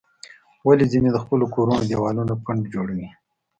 ولې ځینې د خپلو کورونو دیوالونه پنډ جوړوي؟